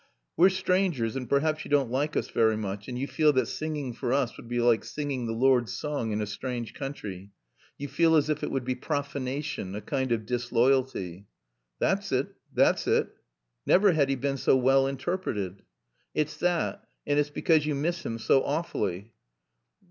"We're strangers and perhaps you don't like us very much, and you feel that singing for us would be like singing the Lord's song in a strange country; you feel as if it would be profanation a kind of disloyalty." "Thot's it. Thot's it." Never had he been so well interpreted. "It's that and it's because you miss him so awfully."